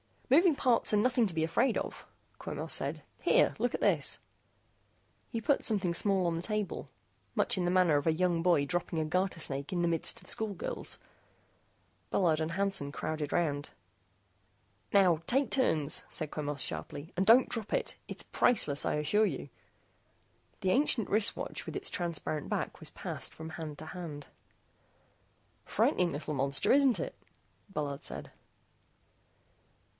"Moving parts are nothing to be afraid of," Quemos said. "Here, look at this." He put something small on the table, much in the manner of a young boy dropping a garter snake in the midst of school girls. Bullard and Hansen crowded around. "Now, take turns," said Quemos sharply, "and don't drop it. It's priceless, I assure you." The ancient wrist watch with its transparent back was passed from hand to hand. "Frightening little monster, isn't it," Bullard said.